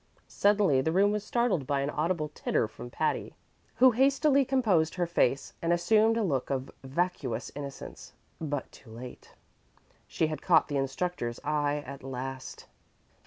Suddenly the room was startled by an audible titter from Patty, who hastily composed her face and assumed a look of vacuous innocence but too late. She had caught the instructor's eye at last.